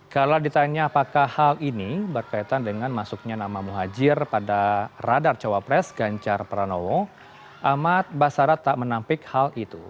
kalau ditanya apakah hal ini berkaitan dengan masuknya nama muhajir pada radar cawapres ganjar pranowo ahmad basara tak menampik hal itu